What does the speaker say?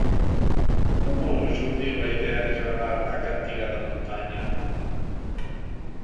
Como xurdiu a idea de gravar a "Cantiga da Montaña"?